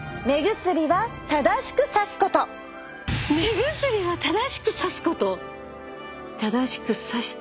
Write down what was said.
目薬は正しくさすこと？